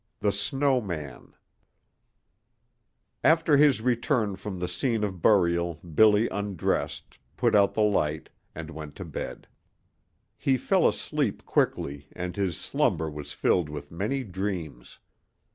XIV THE SNOW MAN After his return from the scene of burial Billy undressed, put out the light, and went to bed. He fell asleep quickly, and his slumber was filled with many dreams.